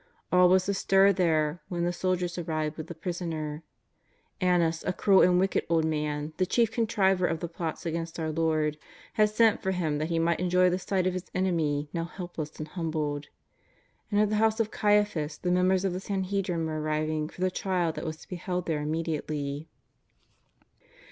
All was astir there when the soldiers arrived with the Prisoner. Annas, a cruel and wicked old man, the chief contriver of the plots against our Lord, had sent for Him that he might enjoy the sight of his enemy now helpless and humbled ; and at the house of Caiaphas the members of the Sanhedrin were arriving for the trial that was to be held there immediately.